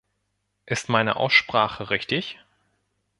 Ist meine Aussprache richtig?